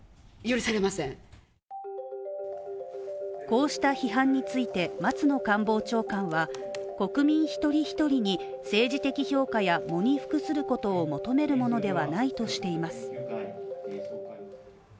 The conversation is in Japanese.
こうした批判について松野官房長官は、国民一人一人に政治的評価や喪に服することを求めるものではないとしています。